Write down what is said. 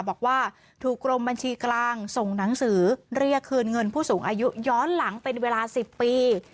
บอกว่าถูกกรมบัญชีกลางส่งหนังสือเรียกคืนเงินผู้สูงอายุย้อนหลังเป็นเวลา๑๐ปี